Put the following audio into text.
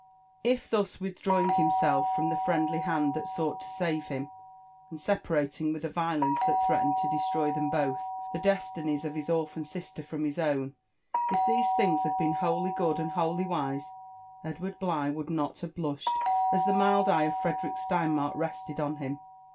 If thus withdrawing l^imself from the friendly hand that sought to save him, and separating with a violence thai threatened to destroy them both, the destinies of his orphan sister from his own — if these things had been wholly good and wholly wise, Edward Bligh would not have blushed as the mild eye of Frederick Sieinmark rested on him.